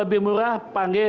menurut saya ini